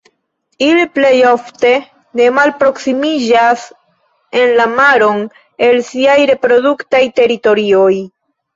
Ili plej ofte ne malproksimiĝas en la maron el siaj reproduktaj teritorioj.